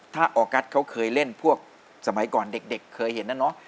ถ้าออกัสเขาเคยเล่นพวกสมัยก่อนเด็กเคยเห็นนะเนาะ